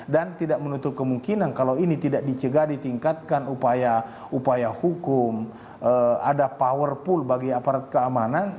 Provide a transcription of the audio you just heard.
dan tidak menutup kemungkinan kalau ini tidak dicegah ditingkatkan upaya hukum ada power pool bagi aparat keamanan